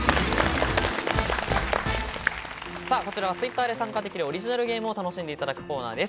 こちらはＴｗｉｔｔｅｒで参加できるオリジナルゲームを楽しんでいただくコーナーです。